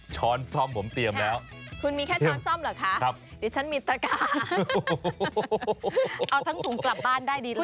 ชื่อมากเลยของฟาก